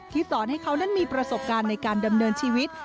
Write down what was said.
สอนให้เขานั้นมีประสบการณ์ในการดำเนินชีวิต